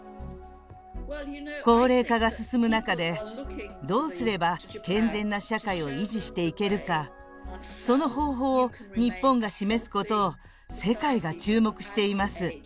高齢化が進む中でどうすれば健全な社会を維持していけるかその方法を日本が示すことを世界が注目しています。